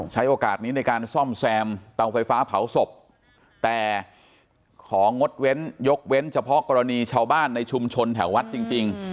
ใช้โอกาสนี้ในการซ่อมแซมเตาไฟฟ้าเผาศพแต่ของงดเว้นยกเว้นเฉพาะกรณีชาวบ้านในชุมชนแถววัดจริง